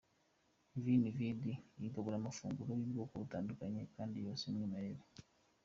Veni Vidi igabura amafunguro y’ubwoko butandukanye kandi yose y’umwimerere.